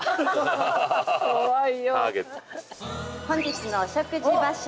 本日のお食事場所